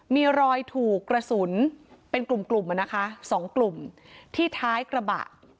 มีรอยถูกกระสุนเป็นกลุ่มกลุ่มอ่ะนะคะสองกลุ่มที่ท้ายกระบะ